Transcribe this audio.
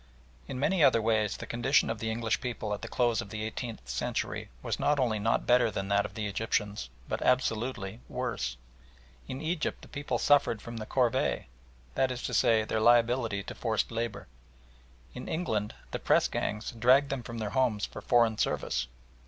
In many other ways the condition of the English people at the close of the eighteenth century was not only not better than that of the Egyptians, but absolutely worse. In Egypt the people suffered from the Corvée that is to say, their liability to forced labour. In England the press gangs dragged them from their homes for foreign service.